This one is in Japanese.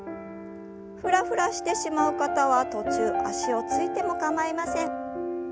ふらふらしてしまう方は途中足をついても構いません。